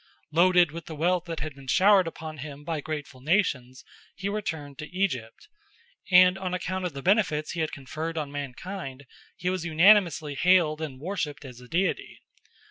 Loaded with the wealth that had been showered upon him by grateful nations, he returned to Egypt, and on account of the benefits he had conferred on mankind he was unanimously hailed and worshipped as a deity.